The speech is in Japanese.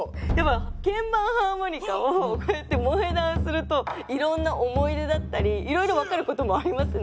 鍵盤ハーモニカをこうやって萌え断するといろんな思い出だったりいろいろ分かることもありますね。